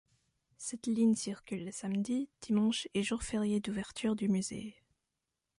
Cette ligne circule les samedis, dimanches et jours fériés d'ouverture du musée.